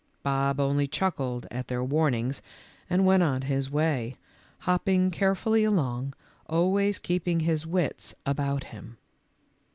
Bob only chuckled at their warnings and went on his way, hopping carefully along, always keep ing his wits about him.